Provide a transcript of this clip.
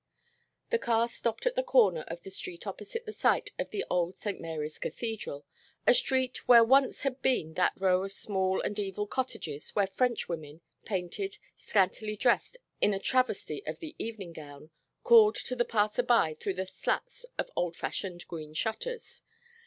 The car stopped at the corner of the street opposite the site of the old Saint Mary's Cathedral, a street where once had been that row of small and evil cottages where French women, painted, scantily dressed in a travesty of the evening gown, called to the passer by through the slats of old fashioned green shutters.